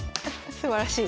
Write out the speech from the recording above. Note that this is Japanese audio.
すばらしい。